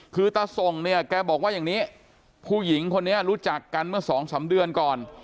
คือตาส่งเนี่ยแกบอกว่าอย่างนี้ผู้หญิงคนนี้รู้จักกันเมื่อสองสามเดือนก่อน